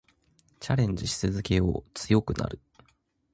チャレンジし続けよう。強くなる。